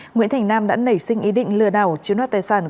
nguyễn thành nam đã nảy sinh ý định lừa đảo chiếm đoạt tài sản